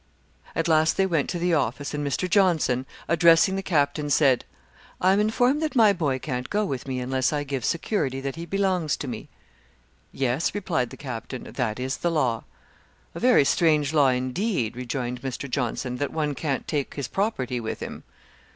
At last they went to the office, and Mr. Johnson, addressing the captain, said, "I am informed that my boy can't go with me unless I give security that he belongs to me. "Yes," replied the captain, "that is the law." "A very strange law indeed," rejoined Mr. Johnson, "that one can't take his property with him."